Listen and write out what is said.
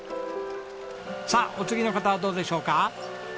さあお次の方はどうでしょうか？